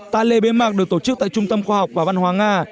tại lễ bế mạc được tổ chức tại trung tâm khoa học và văn hóa nga